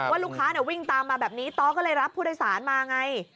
ว่าลูกค้าวิ่งตามมาแบบนี้ต้อก็เลยรับผู้โดยสารมาไง